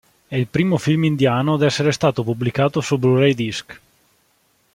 È il primo film indiano ad essere stato pubblicato su Blu-ray disc.